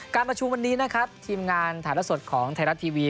การประชุมวันนี้นะครับทีมงานถ่ายละสดของไทยรัฐทีวี